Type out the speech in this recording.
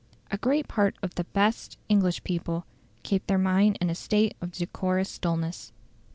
A great part of the "best" English people keep their mind in a state of decorous dulness.